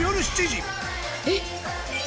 えっ！